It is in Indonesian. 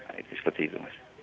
nah itu seperti itu mas